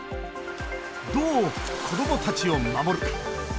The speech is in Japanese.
どう、子どもたちを守るか。